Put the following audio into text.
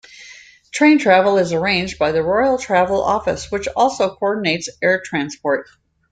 Train travel is arranged by the Royal Travel Office, which also co-ordinates air transport.